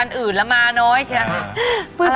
อันอื่นละมาน้อยใช่ไหม